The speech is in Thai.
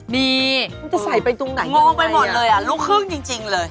นี่มันจะใส่ไปตรงไหนงงไปหมดเลยอ่ะลูกครึ่งจริงเลย